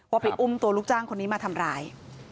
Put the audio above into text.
ไปอุ้มตัวลูกจ้างคนนี้มาทำร้าย